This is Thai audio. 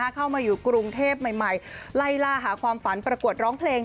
เข้ามาอยู่กรุงเทพใหม่ไล่ล่าหาความฝันประกวดร้องเพลง